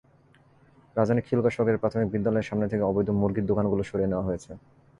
রাজধানীর খিলগাঁও সরকারি প্রাথমিক বিদ্যালয়ের সামনে থেকে অবৈধ মুরগির দোকানগুলো সরিয়ে নেওয়া হয়েছে।